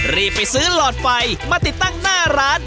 รีบไปซื้อหลอดไฟมาติดตั้งหน้าร้าน